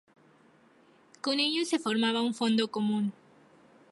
Con ello se formaba un fondo común.